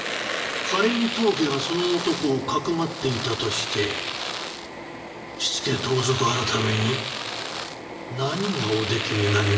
仮に当家がその男をかくまっていたとして火付盗賊改に何がおできになりますかな？